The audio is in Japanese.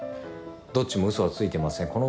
どっちも嘘はついてません。